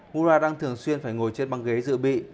mura đang thường xuyên phải ngồi trên băng ghế dự bị